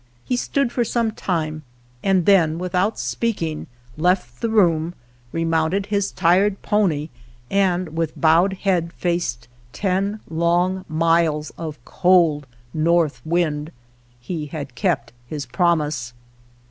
He stood for some time, and then without speaking left the room, re mounted his tired pony, and with bowed head faced ten long miles of cold north wind — he had kept his promise.